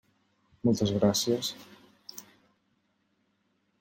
Moltes gràcies.